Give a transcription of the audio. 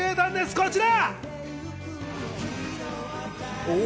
こちら！